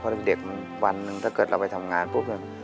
เพราะเด็กคือวันหนึ่งถ้าเกิดเราไปทำงานพวกเรา